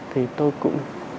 thì tôi cũng